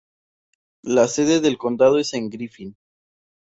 La sede del condado es Griffin.